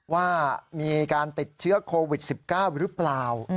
ว่ามีการติดเชื้อโควิด๑๙หรือเปล่า